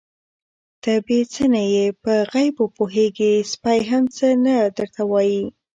_ته بې څه نه يې، په غيبو پوهېږې، سپی هم څه نه درته وايي.